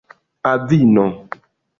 avino